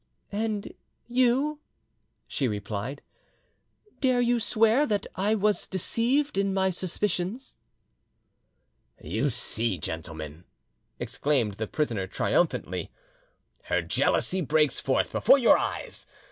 "And you," she replied, "dare you swear that I was deceived in my suspicions?" "You see, gentlemen," exclaimed the prisoner triumphantly, "her jealousy breaks forth before your eyes.